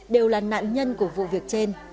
đều là nạn nhân của vụ việc trên